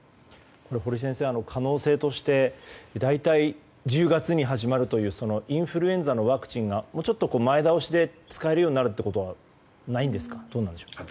堀先生、可能性として大体１０月に始まるというインフルエンザのワクチンがもうちょっと前倒しで使えるようになるということはないんですか。